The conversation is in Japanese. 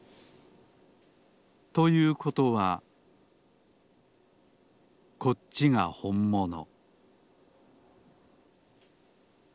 ということはこっちがほんもの